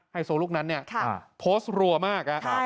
ไฮโซลุ๊คนัทโพสต์รัวมาก